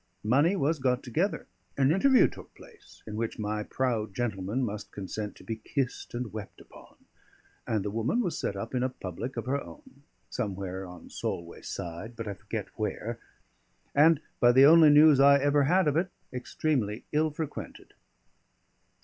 Money was got together; an interview took place, in which my proud gentleman must consent to be kissed and wept upon; and the woman was set up in a public of her own, somewhere on Solway side (but I forget where), and, by the only news I ever had of it, extremely ill frequented.